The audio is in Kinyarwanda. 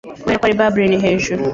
Kuberako ari bubblin 'hejuru